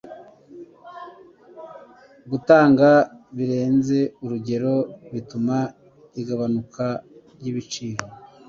Gutanga birenze urugero bituma igabanuka ryibiciro.